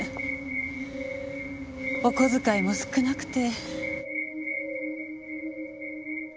お小遣いも少なくて。